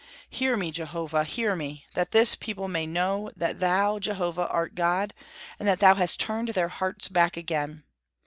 Hear me, Jehovah, hear me! that this people may know that thou, Jehovah, art God, and that thou hast turned their hearts back again."